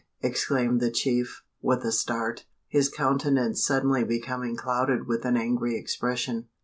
exclaimed the chief, with a start, his countenance suddenly becoming clouded with an angry expression.